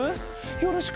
よろしく。